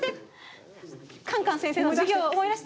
カンカン先生の授業を思い出して。